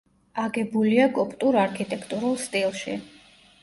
აგებულია კოპტურ არქიტექტურულ სტილში.